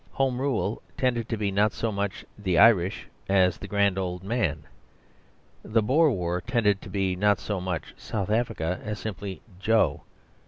Home Rule tended to be not so much the Irish as the Grand Old Man. The Boer War tended not to be so much South Africa as simply "Joe."